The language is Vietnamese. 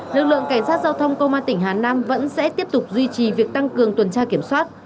lực lượng cảnh sát giao thông công an tỉnh hà nam vẫn sẽ tiếp tục duy trì việc tăng cường tuần tra kiểm soát